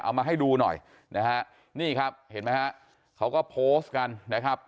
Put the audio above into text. มาให้ดูหน่อยนะฮะนี่ครับเห็นไหมฮะเขาก็โพสต์กันนะครับ